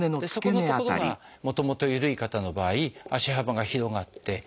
そこの所がもともとゆるい方の場合足幅が広がって。